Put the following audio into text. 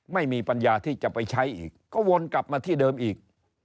ไม่มีปัญญาที่จะไปใช้อีกก็วนกลับมาที่เดิมอีก